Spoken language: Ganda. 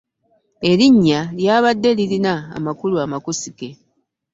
Erinnya lyabadde lirina amakulu amakusike.